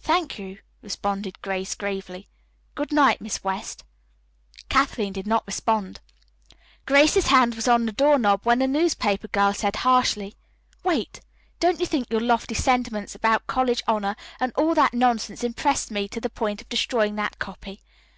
"Thank you," responded Grace gravely. "Good night, Miss West." Kathleen did not respond. Grace's hand was on the doorknob when the newspaper girl said harshly: "Wait. Don't think your lofty sentiments about college honor and all that nonsense impressed me to the point of destroying that copy.